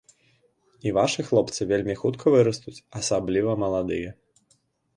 І вашы хлопцы вельмі хутка вырастуць, асабліва маладыя.